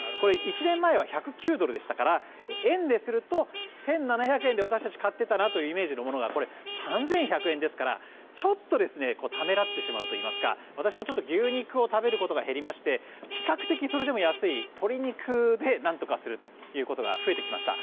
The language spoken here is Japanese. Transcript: １年前は１０９ドルでしたから円ですると１７００円で私たち買ってたなというイメージのものがこれ、３１００円ですからちょっとためらってしまうといいますか私も牛肉を食べることが減りまして比較的それでも安い鶏肉でなんとかするということが増えてきました。